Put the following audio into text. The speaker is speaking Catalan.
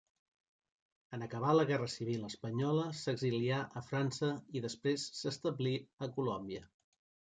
En acabar la guerra civil espanyola s'exilià a França i després s'establí a Colòmbia.